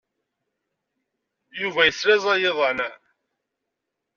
Yuba yeslaẓay iḍan.